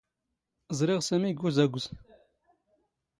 ⵥⵕⵉⵖ ⵙⴰⵎⵉ ⴳ ⵓⵣⴰⴳⵣ.